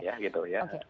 ya gitu ya oke